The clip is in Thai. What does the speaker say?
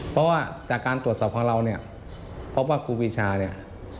เพราะว่าจากการตรวจสอบของเราเนี่ยพบว่าครูปีชาเนี่ย